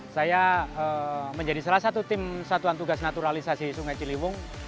saya menjadi salah satu tim satuan tugas naturalisasi sungai ciliwung